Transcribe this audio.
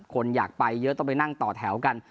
คนอยากไปเยอะต้องไปนั่งต่อแถวกัน